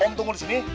om tunggu disini